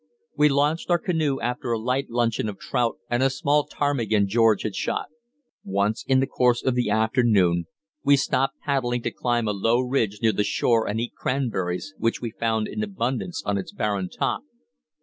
We launched our canoe after a light luncheon of trout and a small ptarmigan George had shot. Once in the course of the afternoon we stopped paddling to climb a low ridge near the shore and eat cranberries, which we found in abundance on its barren top.